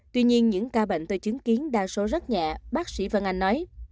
tuy nhiên những ca bệnh tôi chứng kiến đa số rất nhẹ bác sĩ vân anh nói